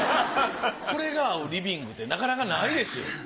これが合うリビングってなかなかないですよ。